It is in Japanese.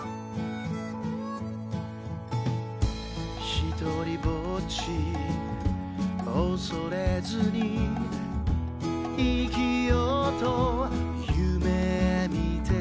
「ひとりぼっちおそれずに生きようと夢みてた」